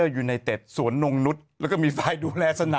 อยู่ในกรุ๊ปเดียวกัน